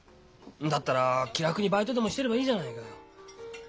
だったら気楽にバイトでもしてればいいじゃないかよ。